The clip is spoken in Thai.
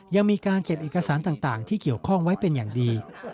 ยังมีการเก็บเอกสารต่างที่เกี่ยวข้องไว้เป็นอย่างดี